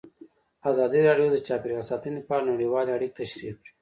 ازادي راډیو د چاپیریال ساتنه په اړه نړیوالې اړیکې تشریح کړي.